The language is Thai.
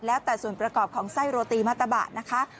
แล้วแต่ส่วนประกอบของไส้โรตีมัตตะบะนะคะ